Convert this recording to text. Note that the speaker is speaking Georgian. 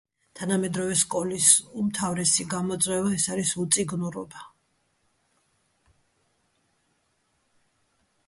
თანამედროვე სკოლის უმთავრესი გამოწვევა - ეს არის უწიგნურობა.